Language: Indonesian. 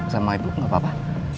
sama ibu gak papa